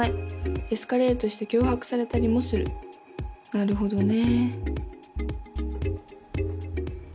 なるほどね。